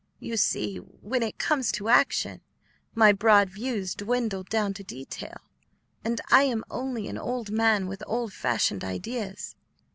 "You see, when it comes to action, my broad views dwindle down to detail, and I am only an old man with old fashioned ideas.